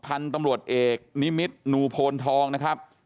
พันธุ์ตำรวจเอกนิมิตนูโพนทองนะครับ